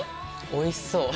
おいしそう。